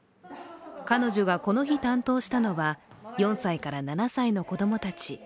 彼女がこの日担当したのは、４歳から７歳の子供たち。